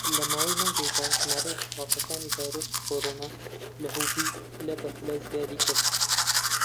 لە ماوەی مانگێکدا، ژمارەی حاڵەتەکانی ڤایرۆسی کۆرۆنا لە هوبی پلە بە پلە زیادی کرد.